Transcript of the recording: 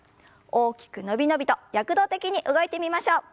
大きく伸び伸びと躍動的に動いてみましょう。